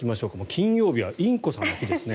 金曜日はインコさんの日ですね。